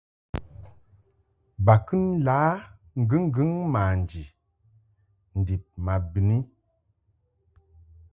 Ba kɨ la ŋgɨŋgɨŋ manji ndib ma bɨni.